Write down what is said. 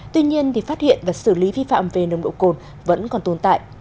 tuy nhiên phát hiện và xử lý vi phạm về nồng độ cồn vẫn còn tồn tại